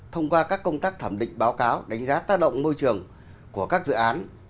thông qua các công tác thẩm định báo cáo đánh giá tác động môi trường của các dự án